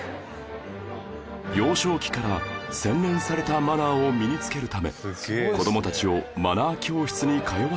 幼少期から洗練されたマナーを身につけるため子どもたちをマナー教室に通わせる事も